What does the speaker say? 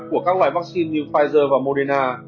của các loại vắc xin như pfizer và moderna